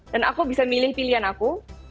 dan aku bisa milih pilihan aku